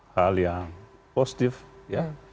hal yang positif ya